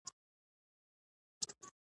قناعت کول لویه خزانه ده